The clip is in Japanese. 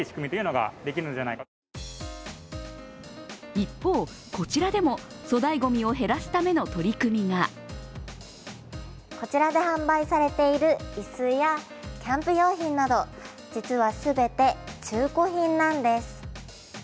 一方、こちらでも粗大ごみを減らすための取り組みがこちらで販売されている椅子やキャンプ用品など実はすべて中古品なんです。